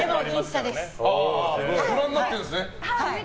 ご覧になってるんですね。